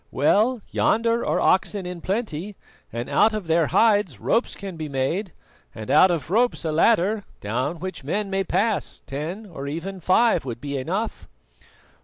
"Well, yonder are oxen in plenty, and out of their hides ropes can be made, and out of ropes a ladder, down which men may pass; ten, or even five, would be enough."